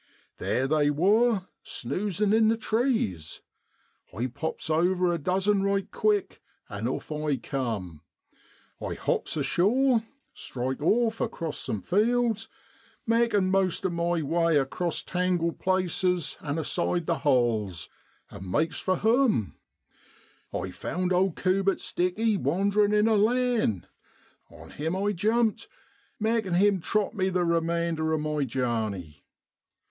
Theer they wor, snoozin' in the trees. I pops over a dozen right quick, and off I cum ; I hops ashore, strike off across some fields, makin' most of my way across tangled places an' aside the holls, and makes for hoam ; I found old Cubitt's dickey wanderin' in a lane; on him I jumped, makin' him trot me the remainder of my jarney.